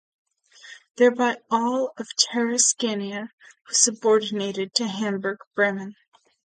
Thereby all of Terra Scania was subordinated to Hamburg-Bremen.